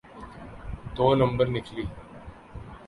دو number نکلی۔